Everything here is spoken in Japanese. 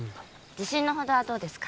自信のほどはどうですか？